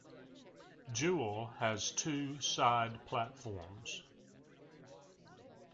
Jewell has two side platforms.